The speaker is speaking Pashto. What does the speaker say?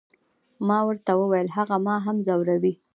ما ورته وویل، هغه ما هم ځوروي.